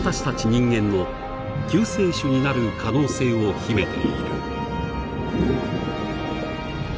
人間の救世主になる可能性を秘めている。